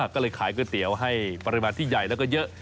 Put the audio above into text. ก็เลยขายก๋วยเตี๋ยวให้ปริมาณที่ใหญ่แล้วก็เยอะ